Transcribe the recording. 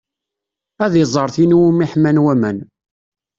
Ad iẓer tin iwumi ḥman waman.